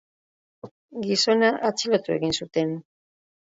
Gizona atxilotu egin zuten.